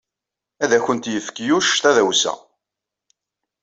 Ad awent-yefk Yuc tadawsa.